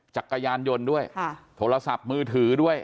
จักรยานยนต์ด้วยโทรศัพท์มือถือด้วย